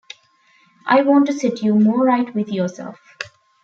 I want to set you more right with yourself.